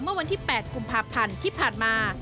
เมื่อวันที่๘กุมภาพันธ์ที่ผ่านมา